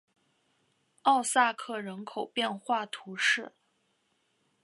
奥萨克人口变化图示